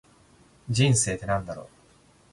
人生って何だろう。